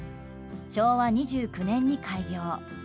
昭和２９年に開業。